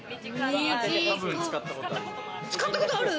使ったことがある？